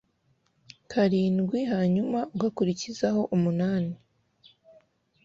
karindwi hanyumaugakurikizaho umunani